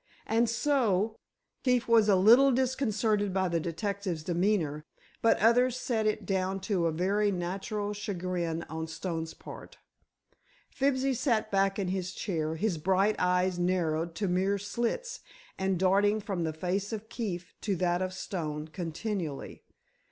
"And so," Keefe was a little disconcerted by the detective's demeanor, but others set it down to a very natural chagrin on Stone's part. Fibsy sat back in his chair, his bright eyes narrowed to mere slits and darting from the face of Keefe to that of Stone continually.